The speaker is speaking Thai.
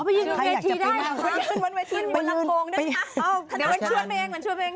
อ๋อไปยืนบนเวที่ได้หรือเปล่ามันมีบนลำโครงด้วยค่ะอ้าวเดี๋ยวมันชวนไปเอง